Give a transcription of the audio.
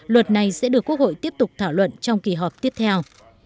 luật này sẽ được quốc hội tiếp tục thảo luận trong kỳ họp tiếp theo